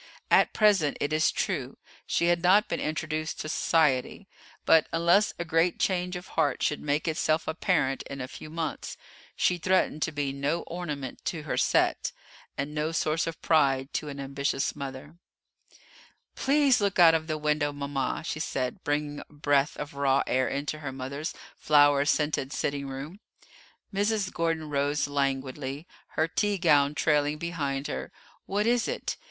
At present, it is true, she had not been introduced to society, but unless a great change of heart should make itself apparent in a few months, she threatened to be no ornament to her set, and no source of pride to an ambitious mother. "Please look out of the window, mama," she said, bringing a breath of raw air into her mother's flower scented sitting room. Mrs. Gordon rose languidly, her tea gown trailing behind her. "What is it?